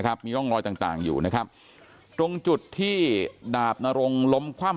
มีร่องรอยต่างต่างอยู่นะครับตรงจุดที่ดาบนรงล้มคว่ำ